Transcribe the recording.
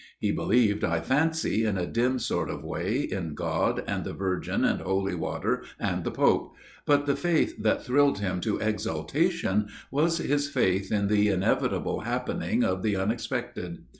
He believed, I fancy, in a dim sort of way, in God and the Virgin and Holy Water and the Pope; but the faith that thrilled him to exaltation was his faith in the inevitable happening of the unexpected.